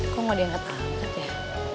kok nggak diangkat angkat ya